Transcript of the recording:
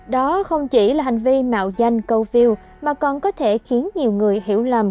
đó không chỉ là hành vi mạo danh câu view mà còn có thể khiến nhiều người hiểu lầm